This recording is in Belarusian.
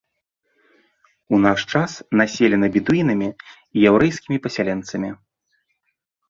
У наш час населена бедуінамі і яўрэйскімі пасяленцамі.